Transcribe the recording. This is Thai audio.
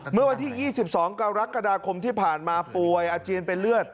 เมื่อวันที่๒๒กรกฎาคมที่ผ่านมาป่วยอาเจียนเป็นเลือด